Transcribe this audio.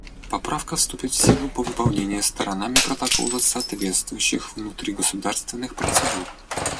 Поправка вступит в силу по выполнении сторонами Протокола соответствующих внутригосударственных процедур.